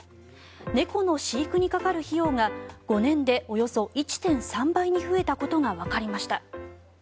猫の飼育にかかる費用が５年でおよそ１．３倍に増えたことがわかりました。